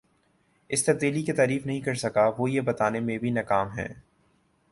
اس تبدیلی کی تعریف نہیں کر سکا وہ یہ بتانے میں بھی ناکام ہے